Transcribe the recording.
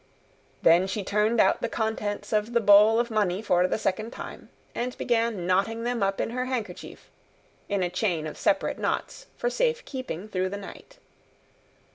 Then she turned out the contents of the bowl of money for the second time, and began knotting them up in her handkerchief, in a chain of separate knots, for safe keeping through the night.